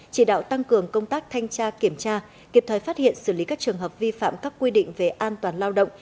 chỉ đạo tăng cường công tác thanh tra kiểm tra kịp thời phát hiện xử lý các trường hợp vi phạm các quy định về an toàn lao động